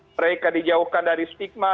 mereka dijauhkan dari stigma